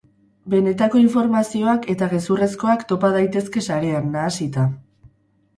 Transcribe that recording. Benetako informazioak eta gezurrezkoak topa daitezke sarean, nahasita.